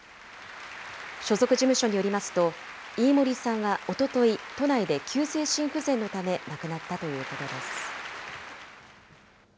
所属事務所によりますと、飯守さんはおととい、都内で急性心不全のため亡くなったということです。